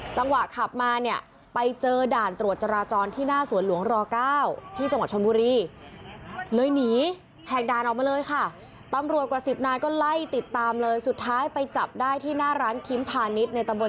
จังหวะขับมาเนี่ยไปเจอด่านตรวจจราจรที่หน้าสวนหลวงร๙ที่จังหวัดชนบุรี